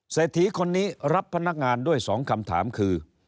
เศรษฐีคนนี้รับพนักงานด้วย๒คำถามคือ